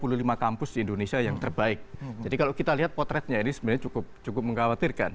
dua puluh lima kampus di indonesia yang terbaik jadi kalau kita lihat potretnya ini sebenarnya cukup mengkhawatirkan